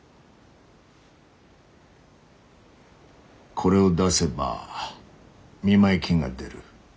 これを出せば見舞い金が出る。